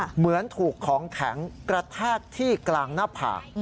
เหมือนถูกของแข็งกระแทกที่กลางหน้าผาก